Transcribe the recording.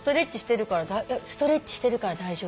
ストレッチしてるから大丈夫って。